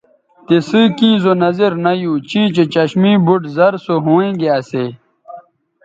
تِسئ کیں زو نظر نہ یو چیں چہء چشمے بُٹ زر سو ھوینگے اسی